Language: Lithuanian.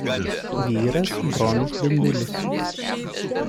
Vyras Bronius Dundulis.